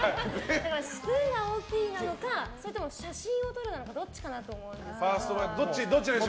スプーンが大きいなのかそれとも写真を撮るなのかどっちかなと思うんですけど。